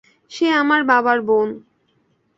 সে আমার বাবার বোন।